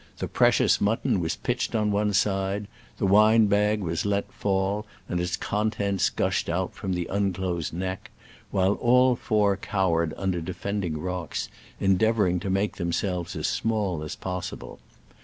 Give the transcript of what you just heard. The precious mutton was pitched on one side, the wine bag was let fall, and its con tents gushed out from the unclosed neck, while all four cowered under defending rocks, endeavoring to make themselves as small as possible.